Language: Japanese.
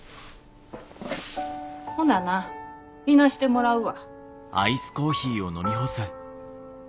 ほなないなしてもらうわ。